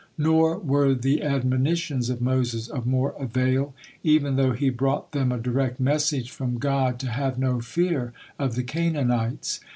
Nor were the admonitions of Moses of more avail, even though he brought them a direct message from God to have no fear of the Canaanites.